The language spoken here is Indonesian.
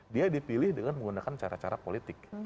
dia dipilih dengan menggunakan cara cara politik